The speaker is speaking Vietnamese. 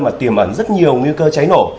mà tìm ẩn rất nhiều nguy cơ cháy nổ